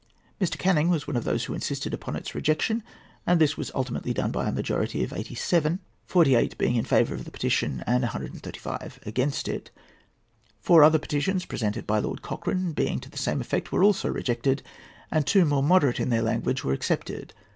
Mr. Canning was one of those who insisted upon its rejection, and this was ultimately done by a majority of 87, 48 being in favour of the petition, and 135 against it. Four other petitions presented by Lord Cochrane, being to the same effect, were also rejected; and two, more moderate in their language, were accepted.